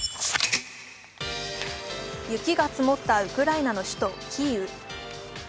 雪が積もったウクライナの首都キーウ。